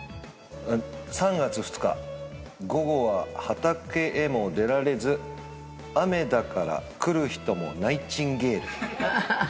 ３月２日、午後は畑へも出られず、雨だから来る人もナイチンゲール。